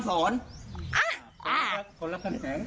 คนลับคนแข็ง